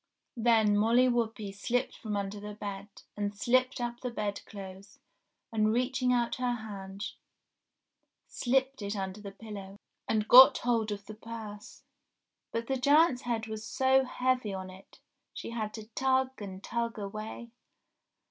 Then Molly Whuppie slipped from under the bed, and slipped up the bed clothes, and reaching out her hand slipped it under the pillow, and got hold of the purse. But the giant's head was so heavy on it she had to tug and tug away.